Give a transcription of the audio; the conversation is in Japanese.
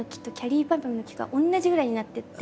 ゅぱみゅの木が同じぐらいになってって。